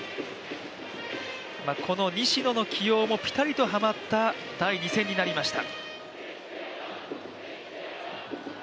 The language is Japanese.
この西野の起用もピタリとはまった第２戦となりました。